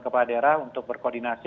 kepala daerah untuk berkoordinasi